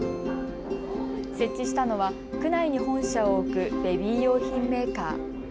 設置したのは区内に本社を置くベビー用品メーカー。